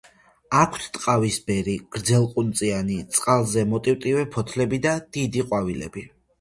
აქვთ ტყავისებრი, გრძელყუნწიანი, წყალზე მოტივტივე ფოთლები და დიდი ყვავილები.